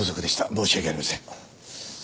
申し訳ありません。